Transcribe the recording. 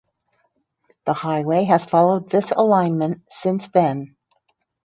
The highway has followed this alignment since then.